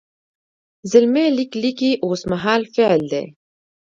زلمی لیک لیکي اوس مهال فعل دی.